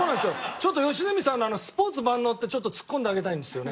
ちょっと良純さんのあのスポーツ万能ってちょっと突っ込んであげたいんですよね。